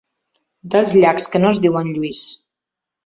Dels llacs que no es diuen Lluís.